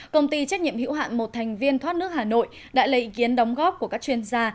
công ty trách nhiệm hữu hạn một thành viên thoát nước hà nội đã lấy ý kiến đóng góp của các chuyên gia